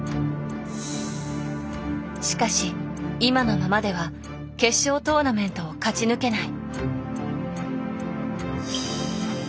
しかし今のままでは決勝トーナメントを勝ち抜けない。